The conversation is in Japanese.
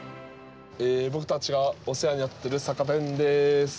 僕たちがお世話になっている酒店です。